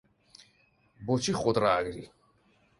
بۆچی خۆت ڕائەگری؟